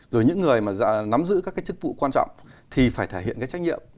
rồi những người mà nắm giữ các cái chức vụ quan trọng thì phải thể hiện cái trách nhiệm